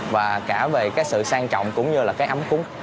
và cả về cái sự sang trọng cũng như là cái ấm cúng